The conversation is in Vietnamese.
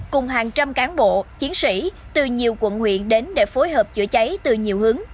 cùng hàng trăm cán bộ chiến sĩ từ nhiều quận huyện đến để phối hợp chữa cháy từ nhiều hướng